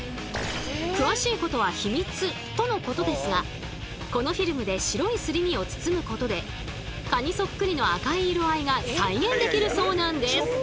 詳しいことはヒミツとのことですがこのフィルムで白いすり身を包むことでカニそっくりの赤い色合いが再現できるそうなんです。